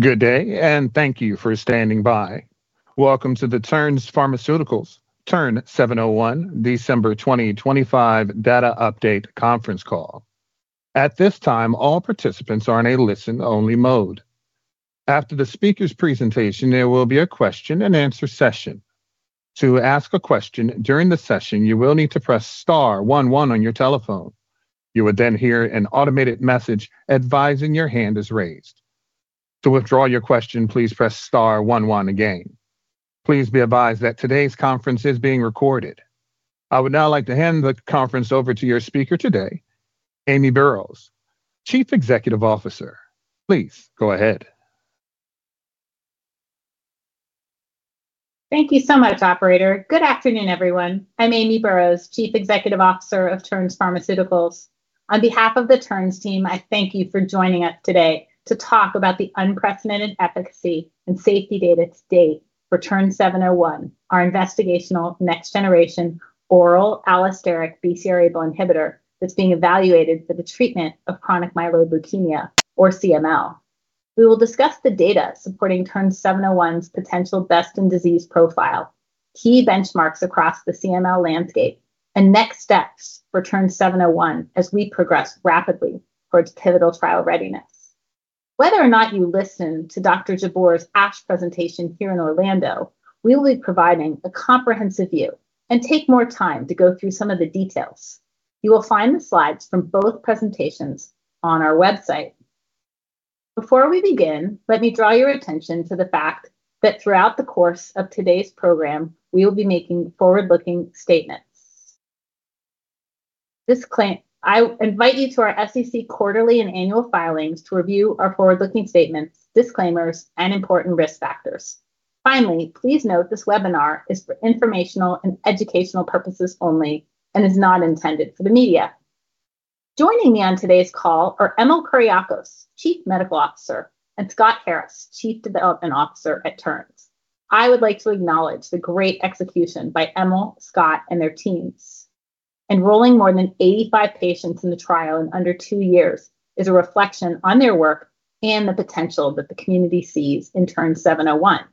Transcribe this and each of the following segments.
Good day, and thank you for standing by. Welcome to the Terns Pharmaceuticals TERN-701 December 2025 data update conference call. At this time, all participants are in a listen-only mode. After the speaker's presentation, there will be a question-and-answer session. To ask a question during the session, you will need to press star one one on your telephone. You will then hear an automated message advising your hand is raised. To withdraw your question, please press star one one again. Please be advised that today's conference is being recorded. I would now like to hand the conference over to your speaker today, Amy Burroughs, Chief Executive Officer. Please go ahead. Thank you so much, Operator. Good afternoon, everyone. I'm Amy Burroughs, Chief Executive Officer of Terns Pharmaceuticals. On behalf of the Terns team, I thank you for joining us today to talk about the unprecedented efficacy and safety data to date for TERN-701, our investigational next-generation oral allosteric BCR-ABL inhibitor that's being evaluated for the treatment of chronic myeloid leukemia, or CML. We will discuss the data supporting TERN-701's potential best-in-disease profile, key benchmarks across the CML landscape, and next steps for TERN-701 as we progress rapidly towards pivotal trial readiness. Whether or not you listened to Dr. Jabbour's ASH presentation here in Orlando, we will be providing a comprehensive view and take more time to go through some of the details. You will find the slides from both presentations on our website. Before we begin, let me draw your attention to the fact that throughout the course of today's program, we will be making forward-looking statements. I invite you to our SEC quarterly and annual filings to review our forward-looking statements, disclaimers, and important risk factors. Finally, please note this webinar is for informational and educational purposes only and is not intended for the media. Joining me on today's call are Emil Kuriakose, Chief Medical Officer, and Scott Harris, Chief Development Officer at Terns. I would like to acknowledge the great execution by Emil, Scott, and their teams. Enrolling more than 85 patients in the trial in under two years is a reflection on their work and the potential that the community sees in TERN-701.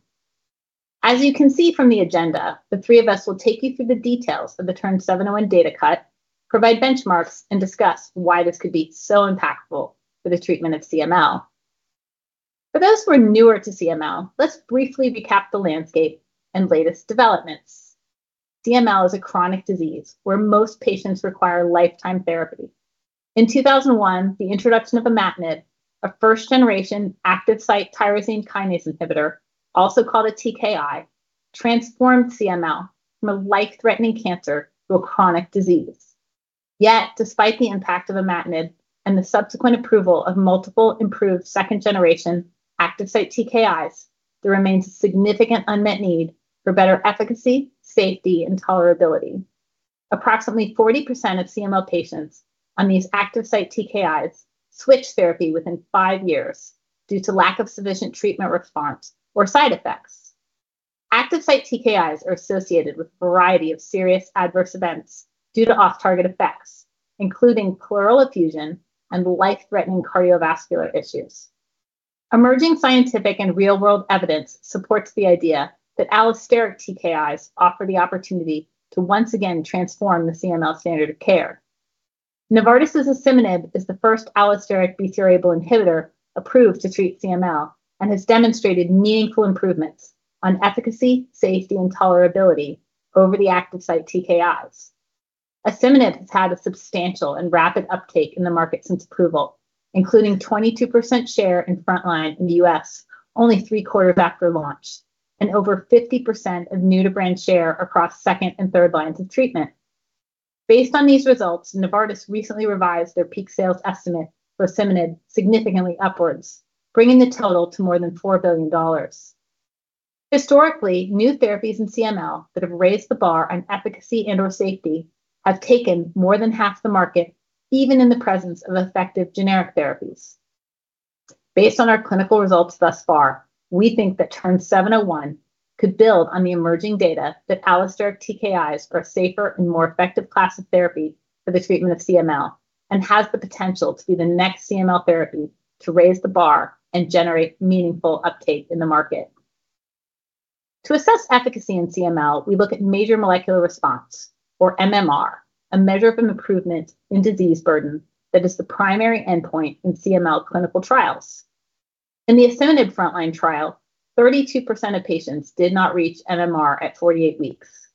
As you can see from the agenda, the three of us will take you through the details of the TERN-701 data cut, provide benchmarks, and discuss why this could be so impactful for the treatment of CML. For those who are newer to CML, let's briefly recap the landscape and latest developments. CML is a chronic disease where most patients require lifetime therapy. In 2001, the introduction of imatinib, a first-generation active-site tyrosine kinase inhibitor, also called a TKI, transformed CML from a life-threatening cancer to a chronic disease. Yet, despite the impact of imatinib and the subsequent approval of multiple improved second-generation active-site TKIs, there remains a significant unmet need for better efficacy, safety, and tolerability. Approximately 40% of CML patients on these active-site TKIs switch therapy within five years due to lack of sufficient treatment response or side effects. Active-site TKIs are associated with a variety of serious adverse events due to off-target effects, including pleural effusion and life-threatening cardiovascular issues. Emerging scientific and real-world evidence supports the idea that allosteric TKIs offer the opportunity to once again transform the CML standard of care. Novartis's asciminib is the first allosteric BCR-ABL inhibitor approved to treat CML and has demonstrated meaningful improvements on efficacy, safety, and tolerability over the active-site TKIs. asciminib has had a substantial and rapid uptake in the market since approval, including a 22% share in frontline in the U.S. only three quarters after launch and over 50% of new-to-brand share across second and third lines of treatment. Based on these results, Novartis recently revised their peak sales estimate for asciminib significantly upwards, bringing the total to more than $4 billion. Historically, new therapies in CML that have raised the bar on efficacy and/or safety have taken more than half the market, even in the presence of effective generic therapies. Based on our clinical results thus far, we think that TERN-701 could build on the emerging data that allosteric TKIs are a safer and more effective class of therapy for the treatment of CML and has the potential to be the next CML therapy to raise the bar and generate meaningful uptake in the market. To assess efficacy in CML, we look at major molecular response, or MMR, a measure of improvement in disease burden that is the primary endpoint in CML clinical trials. In the asciminib frontline trial, 32% of patients did not reach MMR at 48 weeks.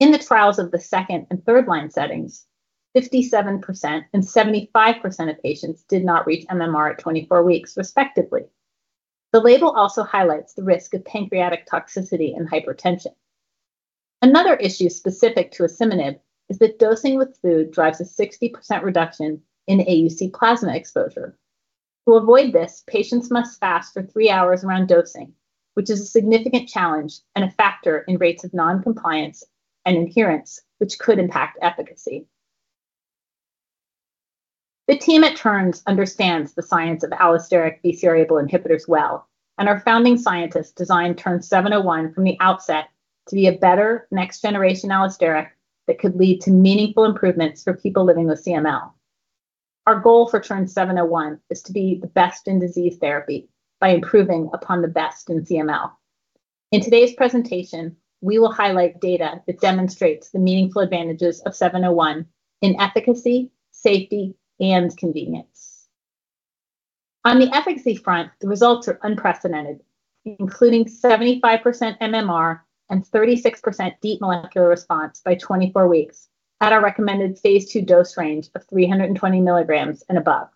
In the trials of the second and third line settings, 57% and 75% of patients did not reach MMR at 24 weeks, respectively. The label also highlights the risk of pancreatic toxicity and hypertension. Another issue specific to asciminib is that dosing with food drives a 60% reduction in AUC plasma exposure. To avoid this, patients must fast for three hours around dosing, which is a significant challenge and a factor in rates of non-compliance and adherence, which could impact efficacy. The team at Terns understands the science of allosteric BCR-ABL inhibitors well, and our founding scientists designed TERN-701 from the outset to be a better next-generation allosteric that could lead to meaningful improvements for people living with CML. Our goal for TERN-701 is to be the best in disease therapy by improving upon the best in CML. In today's presentation, we will highlight data that demonstrates the meaningful advantages of 701 in efficacy, safety, and convenience. On the efficacy front, the results are unprecedented, including 75% MMR and 36% deep molecular response by 24 weeks at our recommended phase II dose range of 320 mg and above.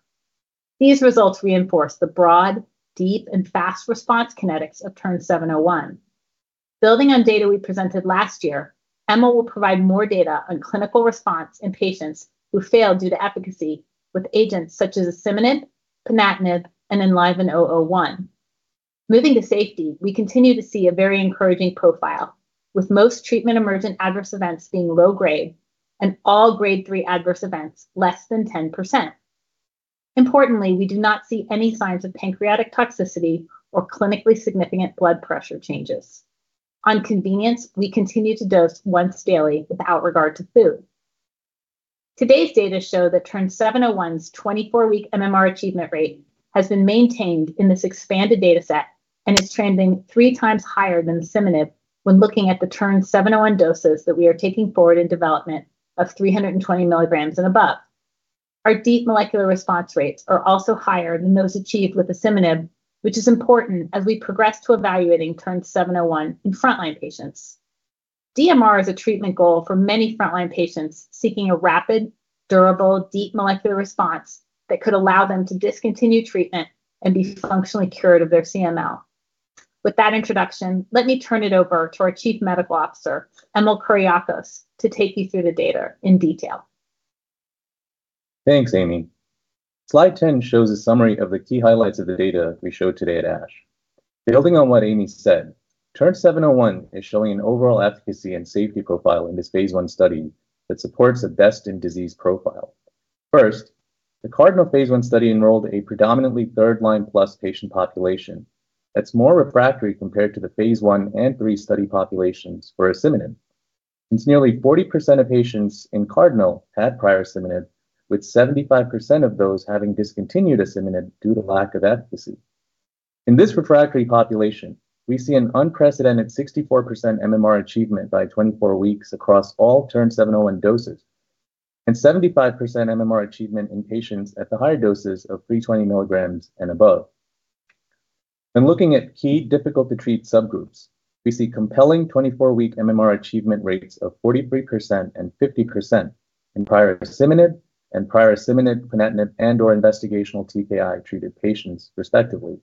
These results reinforce the broad, deep, and fast response kinetics of TERN-701. Building on data we presented last year, Emil will provide more data on clinical response in patients who failed due to efficacy with agents such as asciminib, ponatinib, and ELVN-001. Moving to safety, we continue to see a very encouraging profile, with most treatment-emergent adverse events being low-grade and all grade three adverse events less than 10%. Importantly, we do not see any signs of pancreatic toxicity or clinically significant blood pressure changes. On convenience, we continue to dose once daily without regard to food. Today's data show that TERN-701's 24-week MMR achievement rate has been maintained in this expanded data set and is trending three times higher than asciminib when looking at the TERN-701 doses that we are taking forward in development of 320 milligrams and above. Our deep molecular response rates are also higher than those achieved with asciminib, which is important as we progress to evaluating TERN-701 in frontline patients. DMR is a treatment goal for many frontline patients seeking a rapid, durable, deep molecular response that could allow them to discontinue treatment and be functionally cured of their CML. With that introduction, let me turn it over to our Chief Medical Officer, Emil Kuriakose, to take you through the data in detail. Thanks, Amy. Slide 10 shows a summary of the key highlights of the data we showed today at ASH. Building on what Amy said, TERN-701 is showing an overall efficacy and safety profile in this phase I study that supports a best-in-disease profile. First, the CARDINAL phase I study enrolled a predominantly third line plus patient population that's more refractory compared to the phase I and phase III study populations for asciminib, since nearly 40% of patients in CARDINAL had prior asciminib, with 75% of those having discontinued asciminib due to lack of efficacy. In this refractory population, we see an unprecedented 64% MMR achievement by 24 weeks across all TERN-701 doses and 75% MMR achievement in patients at the higher doses of 320 mg and above. When looking at key difficult-to-treat subgroups, we see compelling 24-week MMR achievement rates of 43% and 50% in prior asciminib and prior asciminib, ponatinib, and/or investigational TKI-treated patients, respectively.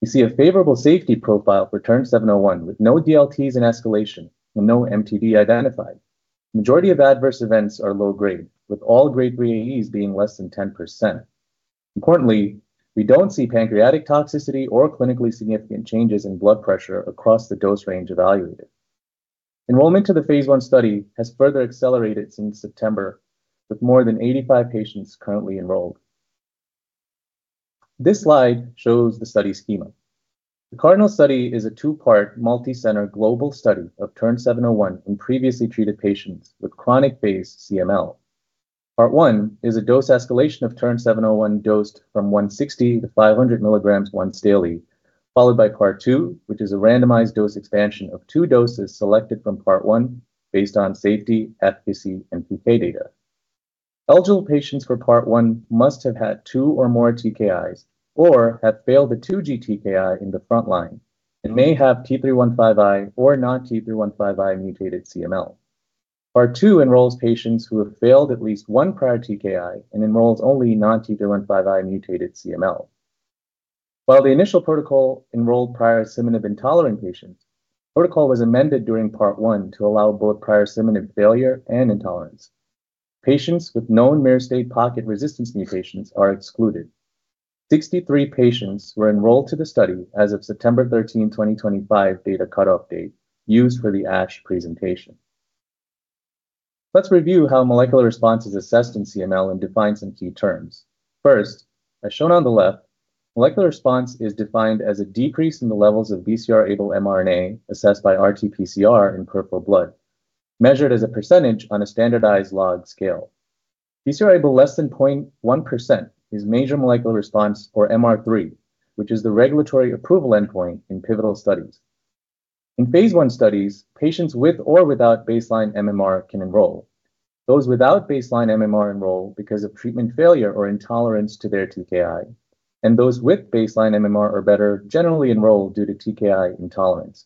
We see a favorable safety profile for TERN-701 with no DLTs in escalation and no MTD identified. The majority of adverse events are low-grade, with all grade 3 AEs being less than 10%. Importantly, we don't see pancreatic toxicity or clinically significant changes in blood pressure across the dose range evaluated. Enrollment to the phase I study has further accelerated since September, with more than 85 patients currently enrolled. This slide shows the study schema. The CARDINAL study is a two-part multicenter global study of TERN-701 in previously treated patients with chronic phase CML. Part one is a dose escalation of TERN-701 dosed from 160 to 500 milligrams once daily, followed by part two, which is a randomized dose expansion of two doses selected from part one based on safety, efficacy, and TK data. Eligible patients for part one must have had two or more TKIs or have failed the 2G TKI in the frontline and may have T315I or non-T315I mutated CML. Part two enrolls patients who have failed at least one prior TKI and enrolls only non-T315I mutated CML. While the initial protocol enrolled prior asciminib intolerant patients, the protocol was amended during part one to allow both prior asciminib failure and intolerance. Patients with known myristate pocket resistance mutations are excluded. 63 patients were enrolled to the study as of September 13, 2025, data cutoff date used for the ASH presentation. Let's review how molecular response is assessed in CML and define some key terms. First, as shown on the left, molecular response is defined as a decrease in the levels of BCR-ABL mRNA assessed by RT-PCR in peripheral blood, measured as a percentage on a standardized log scale. BCR-ABL less than 0.1% is major molecular response, or MR3, which is the regulatory approval endpoint in pivotal studies. In phase I studies, patients with or without baseline MMR can enroll. Those without baseline MMR enroll because of treatment failure or intolerance to their TKI, and those with baseline MMR or better generally enroll due to TKI intolerance.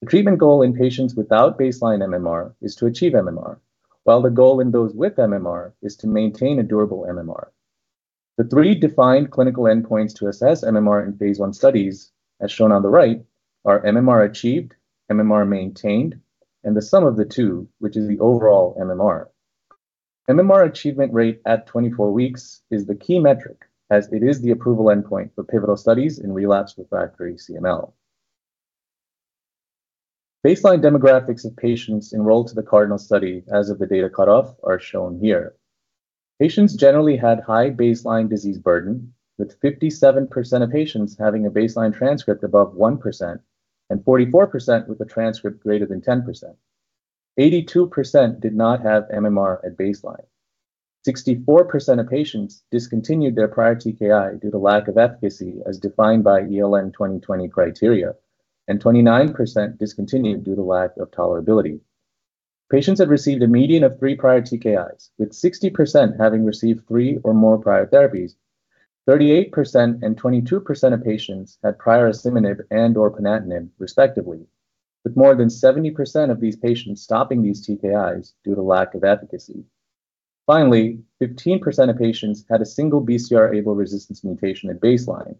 The treatment goal in patients without baseline MMR is to achieve MMR, while the goal in those with MMR is to maintain a durable MMR. The three defined clinical endpoints to assess MMR in phase I studies, as shown on the right, are MMR achieved, MMR maintained, and the sum of the two, which is the overall MMR. MMR achievement rate at 24 weeks is the key metric, as it is the approval endpoint for pivotal studies in relapse refractory CML. Baseline demographics of patients enrolled to the CARDINAL study as of the data cutoff are shown here. Patients generally had high baseline disease burden, with 57% of patients having a baseline transcript above 1% and 44% with a transcript greater than 10%. 82% did not have MMR at baseline. 64% of patients discontinued their prior TKI due to lack of efficacy, as defined by ELN 2020 criteria, and 29% discontinued due to lack of tolerability. Patients had received a median of three prior TKIs, with 60% having received three or more prior therapies. 38% and 22% of patients had prior asciminib and/or ponatinib, respectively, with more than 70% of these patients stopping these TKIs due to lack of efficacy. Finally, 15% of patients had a single BCR-ABL resistance mutation at baseline,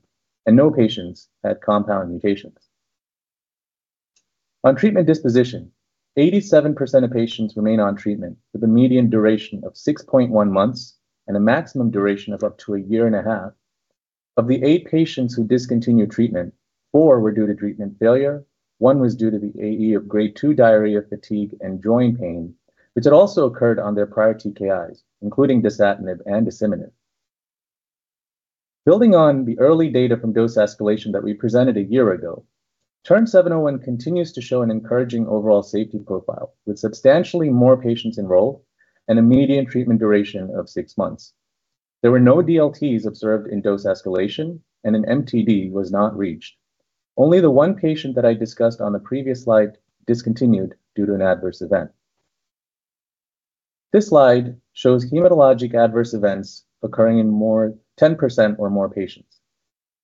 and no patients had compound mutations. On treatment disposition, 87% of patients remain on treatment with a median duration of 6.1 months and a maximum duration of up to a year and a half. Of the eight patients who discontinued treatment, four were due to treatment failure. One was due to the AE of Grade 2 diarrhea, fatigue, and joint pain, which had also occurred on their prior TKIs, including dasatinib and asciminib. Building on the early data from dose escalation that we presented a year ago, TERN-701 continues to show an encouraging overall safety profile with substantially more patients enrolled and a median treatment duration of six months. There were no DLTs observed in dose escalation, and an MTD was not reached. Only the one patient that I discussed on the previous slide discontinued due to an adverse event. This slide shows hematologic adverse events occurring in more than 10% or more patients.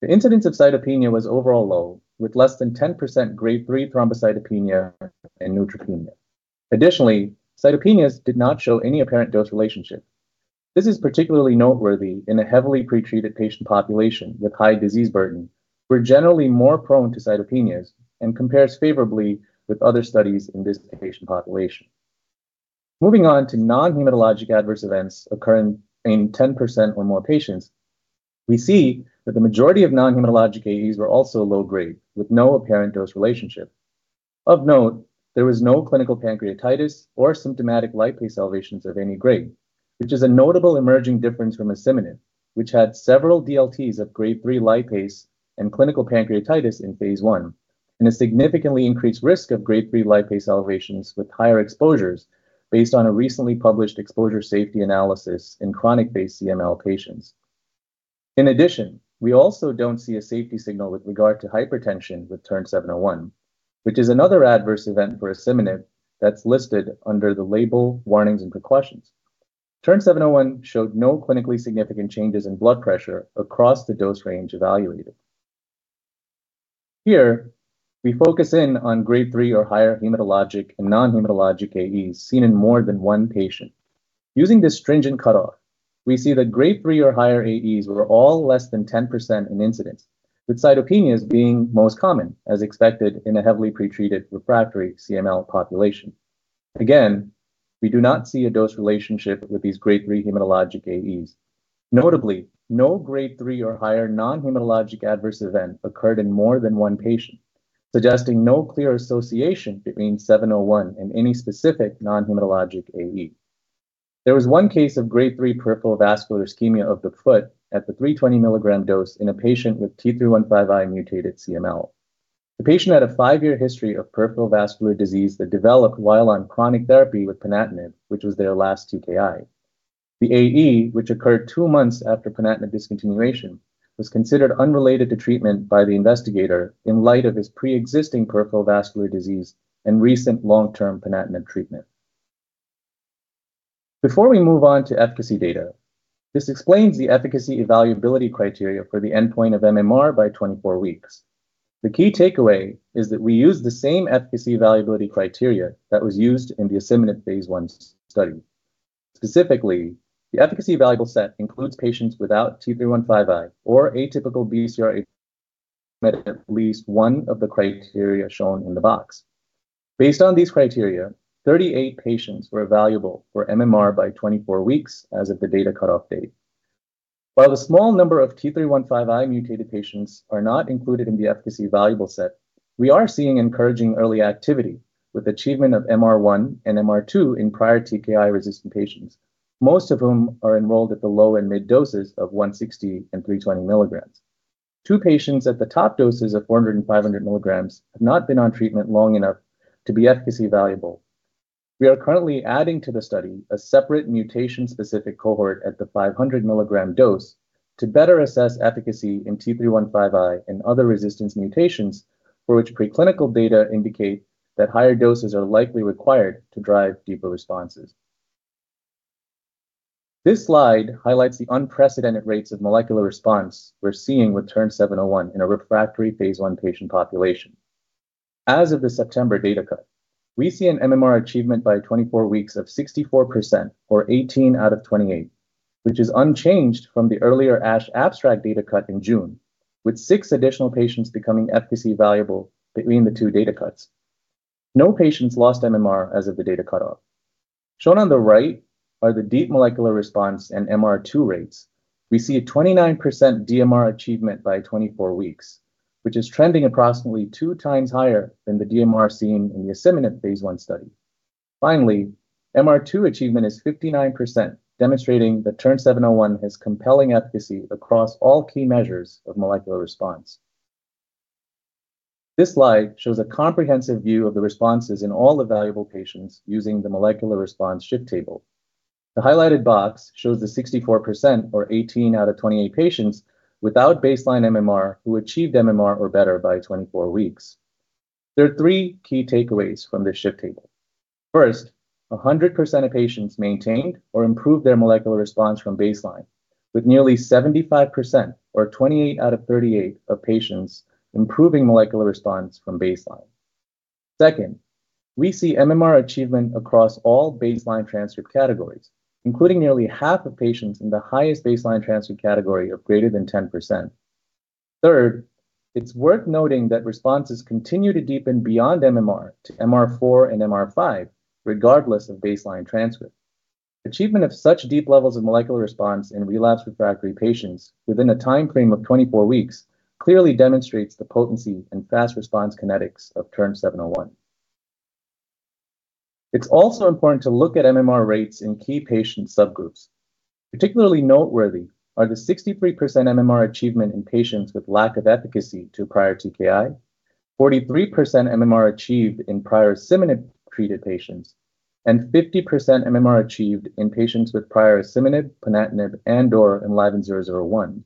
The incidence of cytopenia was overall low, with less than 10% grade three thrombocytopenia and neutropenia. Additionally, cytopenias did not show any apparent dose relationship. This is particularly noteworthy in a heavily pretreated patient population with high disease burden, who are generally more prone to cytopenias and compares favorably with other studies in this patient population. Moving on to non-hematologic adverse events occurring in 10% or more patients, we see that the majority of non-hematologic AEs were also low-grade, with no apparent dose relationship. Of note, there was no clinical pancreatitis or symptomatic lipase elevations of any grade, which is a notable emerging difference from asciminib, which had several DLTs of grade 3 lipase and clinical pancreatitis in phase I and a significantly increased risk of grade 3 lipase elevations with higher exposures based on a recently published exposure safety analysis in chronic phase CML patients. In addition, we also don't see a safety signal with regard to hypertension with TERN-701, which is another adverse event for asciminib that's listed under the label warnings and precautions. TERN-701 showed no clinically significant changes in blood pressure across the dose range evaluated. Here, we focus in on grade 3 or higher hematologic and non-hematologic AEs seen in more than one patient. Using this stringent cutoff, we see that grade three or higher AEs were all less than 10% in incidence, with cytopenias being most common, as expected in a heavily pretreated refractory CML population. Again, we do not see a dose relationship with these grade three hematologic AEs. Notably, no grade three or higher non-hematologic adverse event occurred in more than one patient, suggesting no clear association between 701 and any specific non-hematologic AE. There was one case of grade three peripheral vascular ischemia of the foot at the 320 mg dose in a patient with T315I mutated CML. The patient had a five-year history of peripheral vascular disease that developed while on chronic therapy with ponatinib, which was their last TKI. The AE, which occurred two months after ponatinib discontinuation, was considered unrelated to treatment by the investigator in light of his pre-existing peripheral vascular disease and recent long-term ponatinib treatment. Before we move on to efficacy data, this explains the efficacy evaluability criteria for the endpoint of MMR by 24 weeks. The key takeaway is that we use the same efficacy evaluability criteria that was used in the asciminib phase I study. Specifically, the efficacy evaluable set includes patients without T315I or atypical BCR-ABL at least one of the criteria shown in the box. Based on these criteria, 38 patients were evaluable for MMR by 24 weeks as of the data cutoff date. While the small number of T315I mutated patients are not included in the efficacy evaluable set, we are seeing encouraging early activity with achievement of MR1 and MR2 in prior TKI-resistant patients, most of whom are enrolled at the low and mid doses of 160 mg and 320 mg. Two patients at the top doses of 400 mg and 500 mg have not been on treatment long enough to be efficacy evaluable. We are currently adding to the study a separate mutation-specific cohort at the 500 mg dose to better assess efficacy in T315I and other resistance mutations, for which preclinical data indicate that higher doses are likely required to drive deeper responses. This slide highlights the unprecedented rates of molecular response we're seeing with TERN-701 in a refractory phase I patient population. As of the September data cut, we see an MMR achievement by 24 weeks of 64% or 18 out of 28, which is unchanged from the earlier ASH abstract data cut in June, with six additional patients becoming efficacy evaluable between the two data cuts. No patients lost MMR as of the data cutoff. Shown on the right are the deep molecular response and MR2 rates. We see a 29% DMR achievement by 24 weeks, which is trending approximately two times higher than the DMR seen in the asciminib phase I study. Finally, MR2 achievement is 59%, demonstrating that TERN-701 has compelling efficacy across all key measures of molecular response. This slide shows a comprehensive view of the responses in all evaluable patients using the molecular response shift table. The highlighted box shows the 64% or 18 out of 28 patients without baseline MMR who achieved MMR or better by 24 weeks. There are three key takeaways from this shift table. First, 100% of patients maintained or improved their molecular response from baseline, with nearly 75% or 28 out of 38 of patients improving molecular response from baseline. Second, we see MMR achievement across all baseline transcript categories, including nearly half of patients in the highest baseline transcript category of greater than 10%. Third, it's worth noting that responses continue to deepen beyond MMR to MR4 and MR5, regardless of baseline transcript. Achievement of such deep levels of molecular response in relapsed/refractory patients within a timeframe of 24 weeks clearly demonstrates the potency and fast response kinetics of TERN-701. It's also important to look at MMR rates in key patient subgroups. Particularly noteworthy are the 63% MMR achievement in patients with lack of efficacy to prior TKI, 43% MMR achieved in prior asciminib-treated patients, and 50% MMR achieved in patients with prior asciminib, ponatinib, and/or ELVN-001.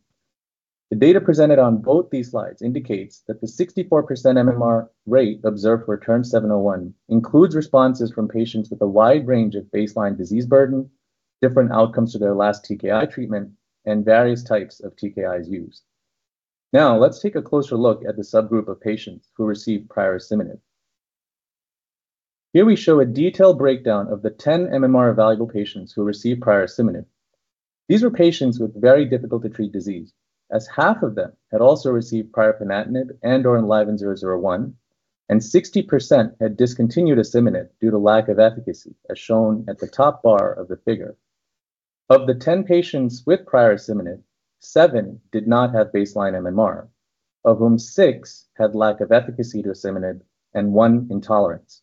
The data presented on both these slides indicates that the 64% MMR rate observed for TERN-701 includes responses from patients with a wide range of baseline disease burden, different outcomes to their last TKI treatment, and various types of TKIs used. Now, let's take a closer look at the subgroup of patients who received prior asciminib. Here we show a detailed breakdown of the 10 MMR evaluable patients who received prior asciminib. These were patients with very difficult-to-treat disease, as half of them had also received prior ponatinib and/or ELVN-001, and 60% had discontinued asciminib due to lack of efficacy, as shown at the top bar of the figure. Of the 10 patients with prior asciminib, seven did not have baseline MMR, of whom six had lack of efficacy to asciminib and one intolerance.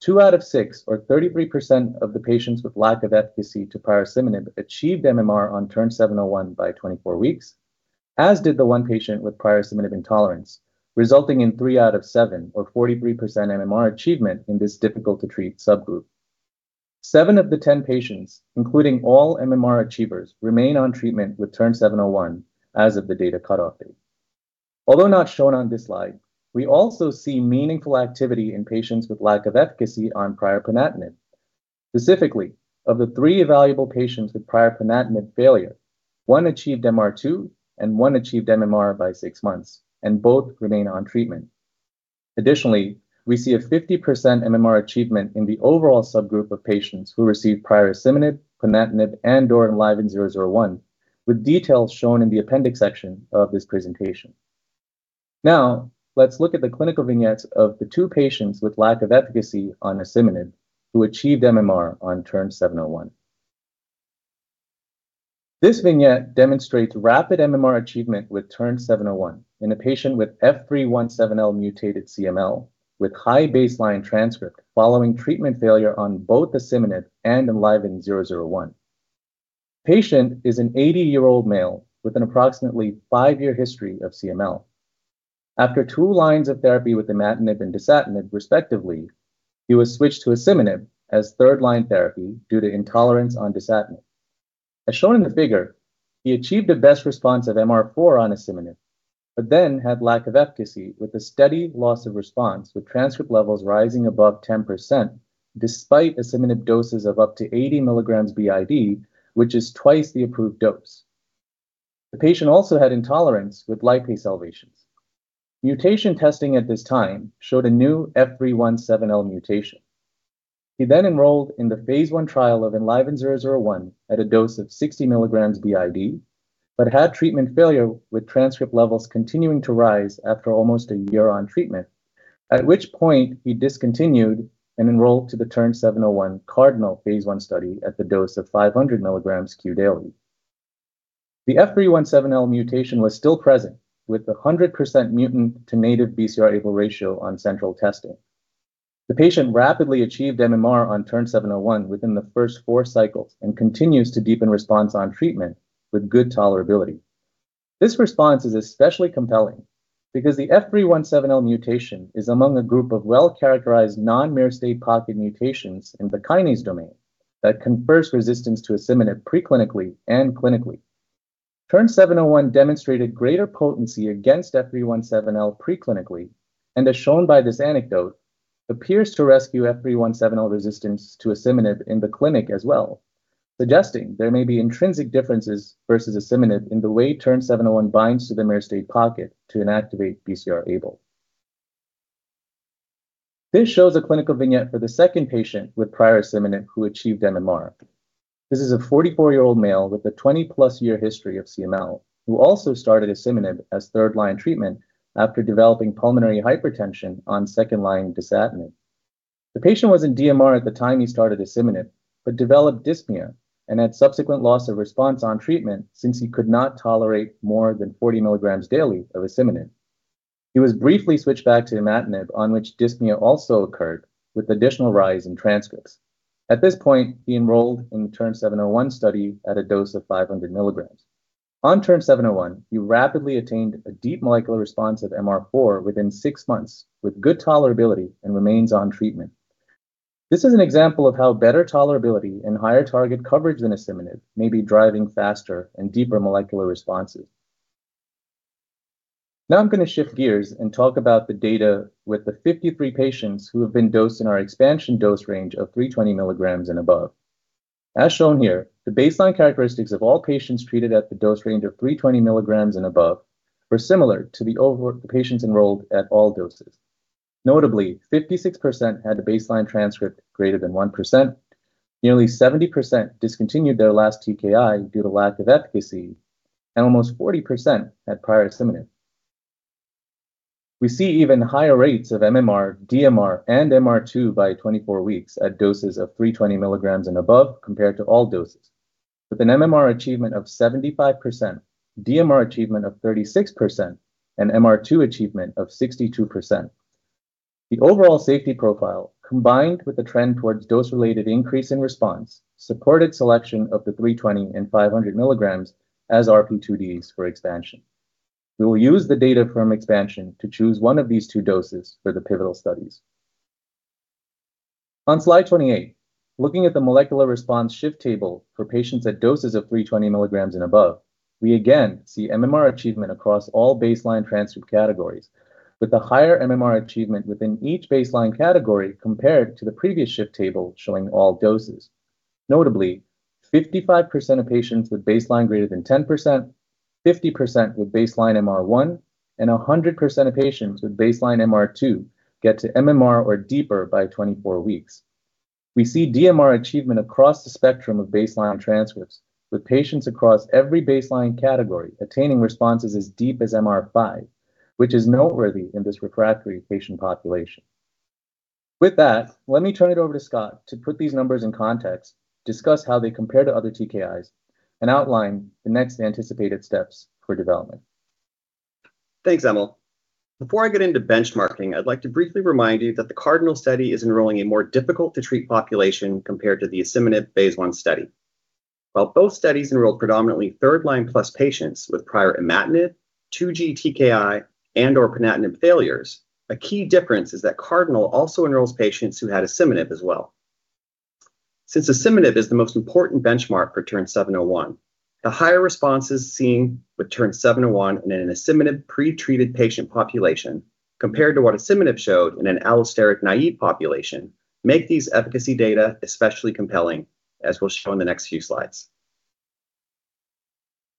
Two out of six, or 33% of the patients with lack of efficacy to prior asciminib, achieved MMR on TERN-701 by 24 weeks, as did the one patient with prior asciminib intolerance, resulting in three out of seven, or 43% MMR achievement in this difficult-to-treat subgroup. Seven of the 10 patients, including all MMR achievers, remain on treatment with TERN-701 as of the data cutoff date. Although not shown on this slide, we also see meaningful activity in patients with lack of efficacy on prior ponatinib. Specifically, of the three evaluable patients with prior ponatinib failure, one achieved MR2 and one achieved MMR by six months, and both remain on treatment. Additionally, we see a 50% MMR achievement in the overall subgroup of patients who received prior asciminib, ponatinib, and/or ELVN-001, with details shown in the appendix section of this presentation. Now, let's look at the clinical vignettes of the two patients with lack of efficacy on asciminib who achieved MMR on TERN-701. This vignette demonstrates rapid MMR achievement with TERN-701 in a patient with F317L mutated CML with high baseline transcript following treatment failure on both asciminib and ELVN-001. The patient is an 80-year-old male with an approximately five-year history of CML. After two lines of therapy with imatinib and dasatinib, respectively, he was switched to asciminib as third-line therapy due to intolerance on dasatinib. As shown in the figure, he achieved a best response of MR4 on ezetimibe, but then had lack of efficacy with a steady loss of response, with transcript levels rising above 10% despite ezetimibe doses of up to 80 mg b.i.d., which is twice the approved dose. The patient also had intolerance with lipase elevations. Mutation testing at this time showed a new F317L mutation. He then enrolled in the phase I trial of ELVN-001 at a dose of 60 mg b.i.d., but had treatment failure with transcript levels continuing to rise after almost a year on treatment, at which point he discontinued and enrolled to the TERN-701 CARDINAL phase I study at the dose of 500 mg q daily. The F317L mutation was still present with the 100% mutant-to-native BCR-ABL ratio on central testing. The patient rapidly achieved MMR on TERN-701 within the first four cycles and continues to deepen response on treatment with good tolerability. This response is especially compelling because the F317L mutation is among a group of well-characterized non-myristate pocket mutations in the kinase domain that confer resistance to asciminib preclinically and clinically. TERN-701 demonstrated greater potency against F317L preclinically, and as shown by this anecdote, appears to rescue F317L resistance to asciminib in the clinic as well, suggesting there may be intrinsic differences versus asciminib in the way TERN-701 binds to the myristate pocket to inactivate BCR-ABL. This shows a clinical vignette for the second patient with prior asciminib who achieved MMR. This is a 44-year-old male with a 20+ year history of CML who also started asciminib as third-line treatment after developing pulmonary hypertension on second-line dasatinib. The patient was in DMR at the time he started asciminib, but developed dyspnea and had subsequent loss of response on treatment since he could not tolerate more than 40 mg daily of asciminib. He was briefly switched back to imatinib, on which dyspnea also occurred with additional rise in transcripts. At this point, he enrolled in the TERN-701 study at a dose of 500 mg. On TERN-701, he rapidly attained a deep molecular response of MR4 within six months with good tolerability and remains on treatment. This is an example of how better tolerability and higher target coverage than asciminib may be driving faster and deeper molecular responses. Now I'm going to shift gears and talk about the data with the 53 patients who have been dosed in our expansion dose range of 320 mg and above. As shown here, the baseline characteristics of all patients treated at the dose range of 320 mg and above were similar to the patients enrolled at all doses. Notably, 56% had a baseline transcript greater than 1%, nearly 70% discontinued their last TKI due to lack of efficacy, and almost 40% had prior asciminib. We see even higher rates of MMR, DMR, and MR2 by 24 weeks at doses of 320 mg and above compared to all doses, with an MMR achievement of 75%, DMR achievement of 36%, and MR2 achievement of 62%. The overall safety profile, combined with the trend towards dose-related increase in response, supported selection of the 320 mg and 500 mg as RP2Ds for expansion. We will use the data from expansion to choose one of these two doses for the pivotal studies. On slide 28, looking at the molecular response shift table for patients at doses of 320 mg and above, we again see MMR achievement across all baseline transcript categories, with the higher MMR achievement within each baseline category compared to the previous shift table showing all doses. Notably, 55% of patients with baseline greater than 10%, 50% with baseline MR1, and 100% of patients with baseline MR2 get to MMR or deeper by 24 weeks. We see DMR achievement across the spectrum of baseline transcripts, with patients across every baseline category attaining responses as deep as MR5, which is noteworthy in this refractory patient population. With that, let me turn it over to Scott to put these numbers in context, discuss how they compare to other TKIs, and outline the next anticipated steps for development. Thanks, Emil. Before I get into benchmarking, I'd like to briefly remind you that the CARDINAL study is enrolling a more difficult-to-treat population compared to the asciminib phase I study. While both studies enrolled predominantly third-line plus patients with prior imatinib, 2G TKI, and/or ponatinib failures, a key difference is that CARDINAL also enrolls patients who had asciminib as well. Since asciminib is the most important benchmark for TERN-701, the higher responses seen with TERN-701 in an asciminib pre-treated patient population compared to what asciminib showed in an allosteric naive population make these efficacy data especially compelling, as we'll show in the next few slides.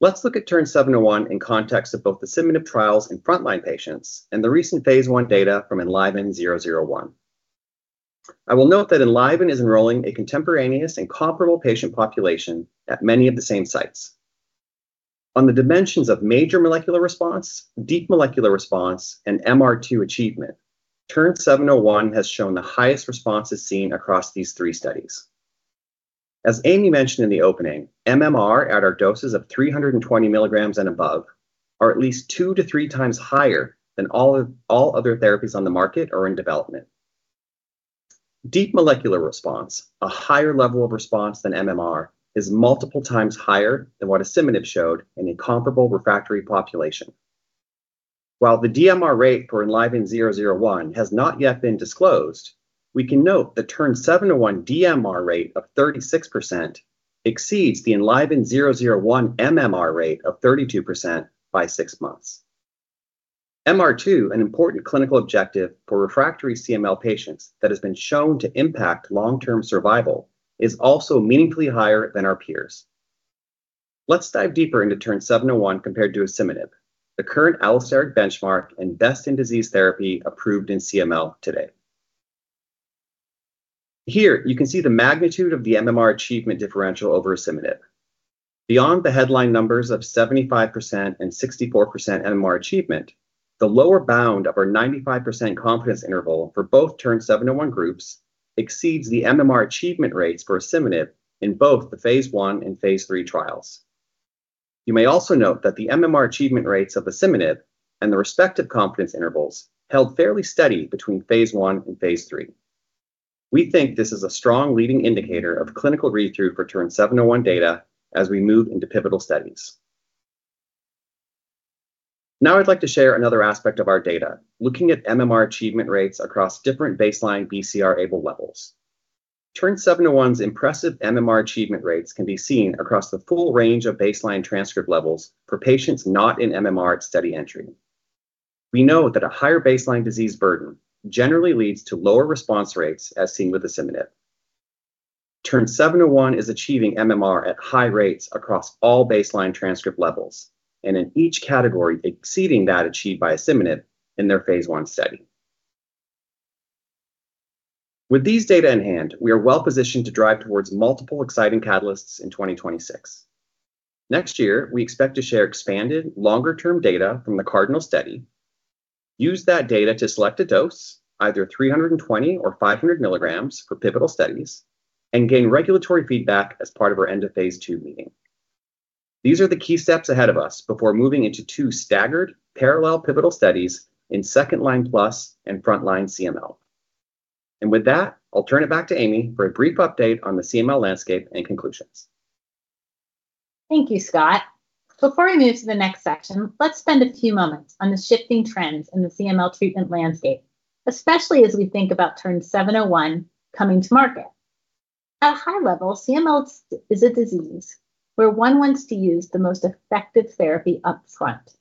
Let's look at TERN-701 in context of both asciminib trials in frontline patients and the recent phase I data from ELVN-001. I will note that Enliven is enrolling a contemporaneous and comparable patient population at many of the same sites. On the dimensions of major molecular response, deep molecular response, and MR2 achievement, TERN-701 has shown the highest responses seen across these three studies. As Amy mentioned in the opening, MMR at our doses of 320 mg and above are at least 2x-3x higher than all other therapies on the market or in development. Deep molecular response, a higher level of response than MMR, is multiple times higher than what asciminib showed in a comparable refractory population. While the DMR rate for ELVN-001 has not yet been disclosed, we can note the TERN-701 DMR rate of 36% exceeds the ELVN-001 MMR rate of 32% by six months. MR2, an important clinical objective for refractory CML patients that has been shown to impact long-term survival, is also meaningfully higher than our peers. Let's dive deeper into TERN-701 compared to asciminib, the current allosteric benchmark and best-in-disease therapy approved in CML today. Here, you can see the magnitude of the MMR achievement differential over asciminib. Beyond the headline numbers of 75% and 64% MMR achievement, the lower bound of our 95% confidence interval for both TERN-701 groups exceeds the MMR achievement rates for asciminib in both the phase I and phase III trials. You may also note that the MMR achievement rates of asciminib and the respective confidence intervals held fairly steady between phase I and phase III. We think this is a strong leading indicator of clinical read-through for TERN-701 data as we move into pivotal studies. Now, I'd like to share another aspect of our data, looking at MMR achievement rates across different baseline BCR-ABL levels. TERN-701's impressive MMR achievement rates can be seen across the full range of baseline transcript levels for patients not in MMR at study entry. We know that a higher baseline disease burden generally leads to lower response rates, as seen with asciminib. TERN-701 is achieving MMR at high rates across all baseline transcript levels, and in each category, exceeding that achieved by asciminib in their phase I study. With these data in hand, we are well-positioned to drive towards multiple exciting catalysts in 2026. Next year, we expect to share expanded, longer-term data from the CARDINAL study, use that data to select a dose, either 320 mg or 500 mg for pivotal studies, and gain regulatory feedback as part of our end-of-phase II meeting. These are the key steps ahead of us before moving into two staggered, parallel pivotal studies in second-line plus and frontline CML. And with that, I'll turn it back to Amy for a brief update on the CML landscape and conclusions. Thank you, Scott. Before we move to the next section, let's spend a few moments on the shifting trends in the CML treatment landscape, especially as we think about TERN-701 coming to market. At a high level, CML is a disease where one wants to use the most effective therapy upfront.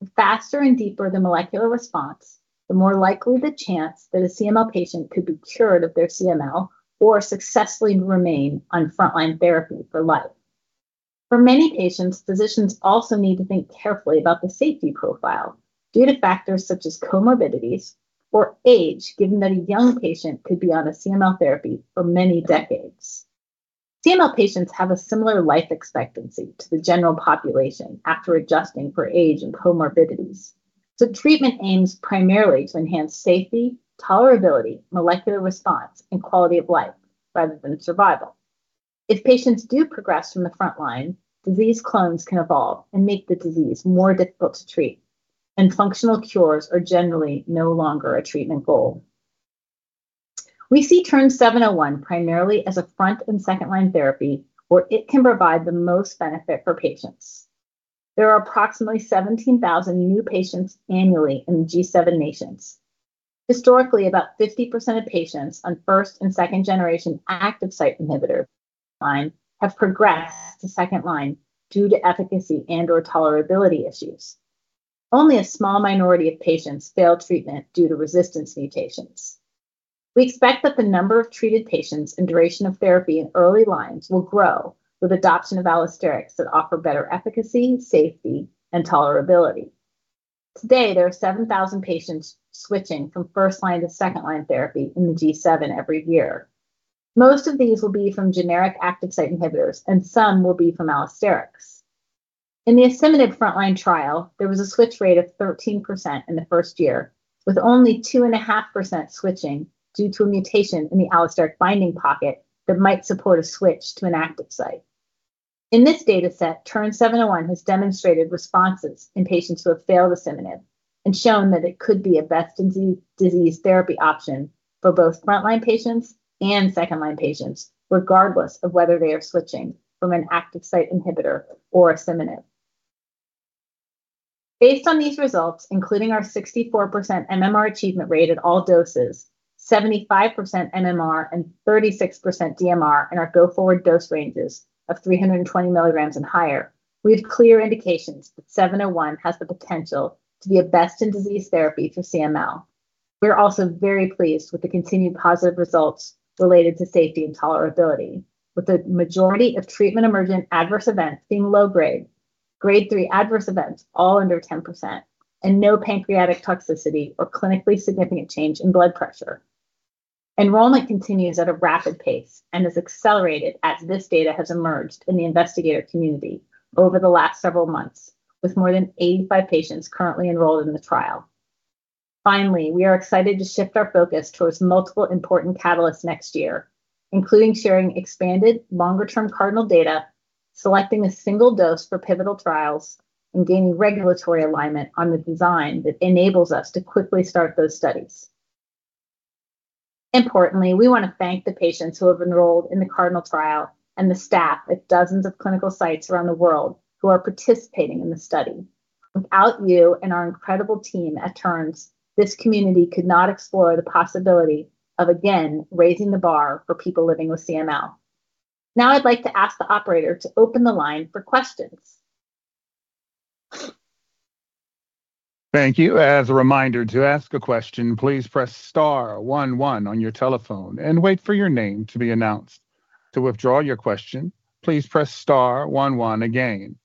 The faster and deeper the molecular response, the more likely the chance that a CML patient could be cured of their CML or successfully remain on frontline therapy for life. For many patients, physicians also need to think carefully about the safety profile due to factors such as comorbidities or age, given that a young patient could be on a CML therapy for many decades. CML patients have a similar life expectancy to the general population after adjusting for age and comorbidities, so treatment aims primarily to enhance safety, tolerability, molecular response, and quality of life rather than survival. If patients do progress from the frontline, disease clones can evolve and make the disease more difficult to treat, and functional cures are generally no longer a treatment goal. We see TERN-701 primarily as a front and second-line therapy where it can provide the most benefit for patients. There are approximately 17,000 new patients annually in the G7 nations. Historically, about 50% of patients on first- and second-generation active site inhibitors have progressed to second line due to efficacy and/or tolerability issues. Only a small minority of patients fail treatment due to resistance mutations. We expect that the number of treated patients and duration of therapy in early lines will grow with adoption of allosterics that offer better efficacy, safety, and tolerability. Today, there are 7,000 patients switching from first line to second line therapy in the G7 every year. Most of these will be from generic active site inhibitors, and some will be from allosterics. In the asciminib frontline trial, there was a switch rate of 13% in the first year, with only 2.5% switching due to a mutation in the allosteric binding pocket that might support a switch to an active site. In this data set, TERN-701 has demonstrated responses in patients who have failed asciminib and shown that it could be a best-in-disease therapy option for both frontline patients and second line patients, regardless of whether they are switching from an active site inhibitor or asciminib. Based on these results, including our 64% MMR achievement rate at all doses, 75% MMR, and 36% DMR in our go-forward dose ranges of 320 mg and higher, we have clear indications that 701 has the potential to be a best-in-disease therapy for CML. We are also very pleased with the continued positive results related to safety and tolerability, with the majority of treatment-emergent adverse events being low-grade, grade 3 adverse events all under 10%, and no pancreatic toxicity or clinically significant change in blood pressure. Enrollment continues at a rapid pace and is accelerated as this data has emerged in the investigator community over the last several months, with more than 85 patients currently enrolled in the trial. Finally, we are excited to shift our focus towards multiple important catalysts next year, including sharing expanded, longer-term CARDINAL data, selecting a single dose for pivotal trials, and gaining regulatory alignment on the design that enables us to quickly start those studies. Importantly, we want to thank the patients who have enrolled in the CARDINAL trial and the staff at dozens of clinical sites around the world who are participating in the study. Without you and our incredible team at Terns, this community could not explore the possibility of again raising the bar for people living with CML. Now, I'd like to ask the operator to open the line for questions. Thank you. As a reminder, to ask a question, please press star one one on your telephone and wait for your name to be announced. To withdraw your question, please press star one one again.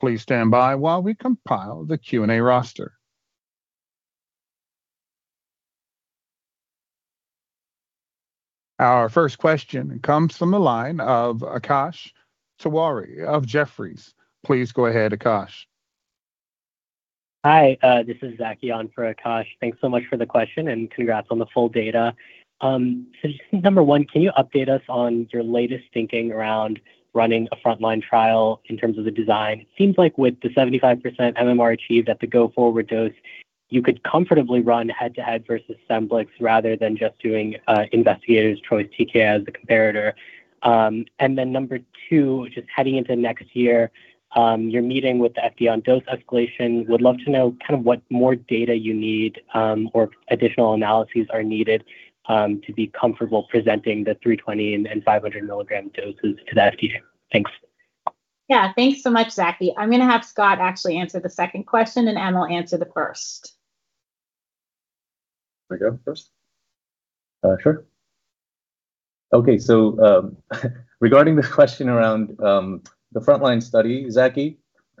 Please stand by while we compile the Q&A roster. Our first question comes from the line of Akash Tewari of Jefferies. Please go ahead, Akash. Hi, this is Zaki for Akash. Thanks so much for the question, and congrats on the full data. So just number one, can you update us on your latest thinking around running a frontline trial in terms of the design? It seems like with the 75% MMR achieved at the go-forward dose, you could comfortably run head-to-head versus Scemblix rather than just doing investigators' choice TK as the comparator. And then number two, just heading into next year, you're meeting with the FDA on dose escalation. Would love to know kind of what more data you need or additional analyses are needed to be comfortable presenting the 320 mg and 500 mg doses to the FDA. Thanks. Yeah, thanks so much, Zaki. I'm going to have Scott actually answer the second question, and Emil answer the first. Can I go first? Sure. Okay, so regarding the question around the frontline study, Zaki, we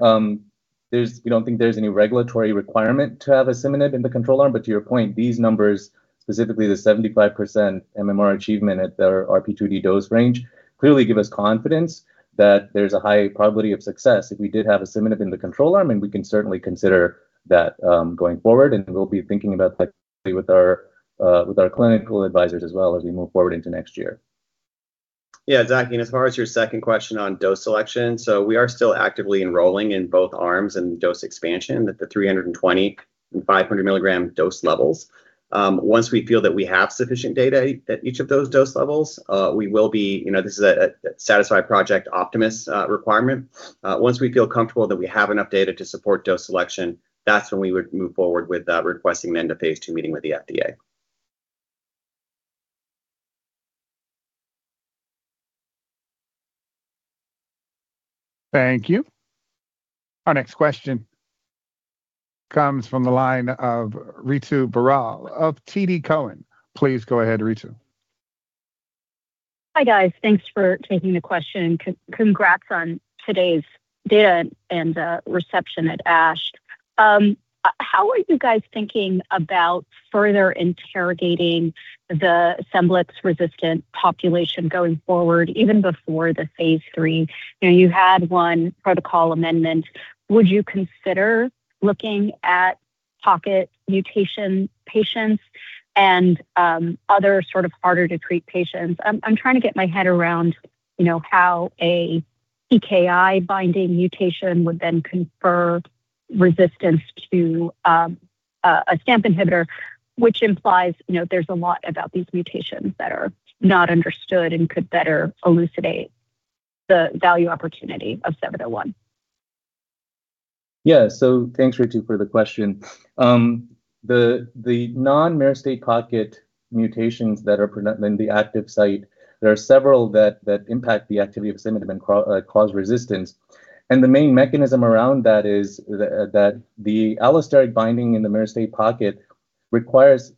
don't think there's any regulatory requirement to have asciminib in the control arm. But to your point, these numbers, specifically the 75% MMR achievement at the RP2D dose range, clearly give us confidence that there's a high probability of success if we did have asciminib in the control arm, and we can certainly consider that going forward. And we'll be thinking about that with our clinical advisors as well as we move forward into next year. Yeah, Zaki, and as far as your second question on dose selection, so we are still actively enrolling in both arms and dose expansion at the 320 mg and 500 mg dose levels. Once we feel that we have sufficient data at each of those dose levels, we will be. This is a satisfied Project Optimist requirement. Once we feel comfortable that we have enough data to support dose selection, that's when we would move forward with requesting an end-of-phase II meeting with the FDA. Thank you. Our next question comes from the line of Ritu Baral of TD Cowen. Please go ahead, Ritu. Hi guys, thanks for taking the question. Congrats on today's data and reception at ASH. How are you guys thinking about further interrogating the Scemblix-resistant population going forward, even before the phase III? You had one protocol amendment. Would you consider looking at pocket mutation patients and other sort of harder-to-treat patients? I'm trying to get my head around how a TKI-binding mutation would then confer resistance to an allosteric inhibitor, which implies there's a lot about these mutations that are not understood and could better elucidate the value opportunity of 701. Yeah, so thanks, Ritu, for the question. The non-myristate pocket mutations that are present in the active site, there are several that impact the activity of asciminib and cause resistance. And the main mechanism around that is that the allosteric binding in the myristate pocket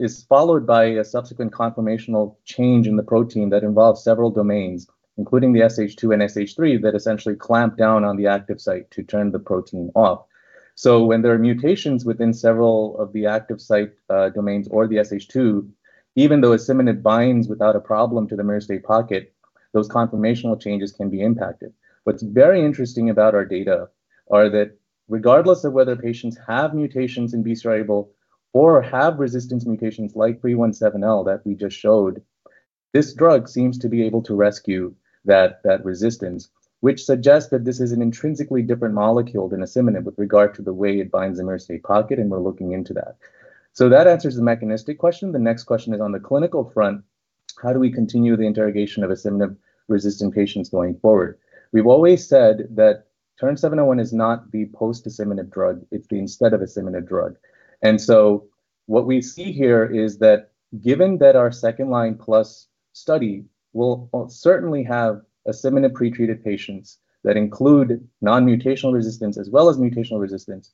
is followed by a subsequent conformational change in the protein that involves several domains, including the SH2 and SH3, that essentially clamp down on the active site to turn the protein off. So when there are mutations within several of the active site domains or the SH2, even though asciminib binds without a problem to the myristate pocket, those conformational changes can be impacted. What's very interesting about our data is that regardless of whether patients have mutations in BCR-ABL or have resistance mutations like F317L that we just showed, this drug seems to be able to rescue that resistance, which suggests that this is an intrinsically different molecule than asciminib with regard to the way it binds the myristate pocket, and we're looking into that. So that answers the mechanistic question. The next question is on the clinical front: how do we continue the interrogation of asciminib-resistant patients going forward? We've always said that TERN-701 is not the post-asciminib drug; it's the instead-of-asciminib drug. And so what we see here is that given that our second-line plus study will certainly have ezetimibe pretreated patients that include non-mutational resistance as well as mutational resistance,